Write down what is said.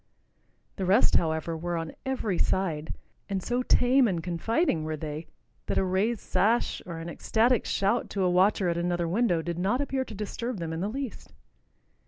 The rest, however, were on every side, and so tame and confiding were they that a raised sash, or an ecstatic shout to a watcher at another window did not appear to disturb them in the least.